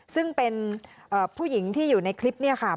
ซึ่งเป็นผู้หญิงที่อยู่ในคลิปเนี่ยค่ะ